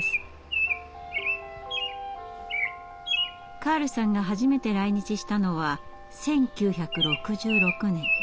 カールさんが初めて来日したのは１９６６年２４歳の時。